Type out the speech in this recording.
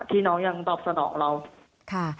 ที่น้องยังตอบสนองเรา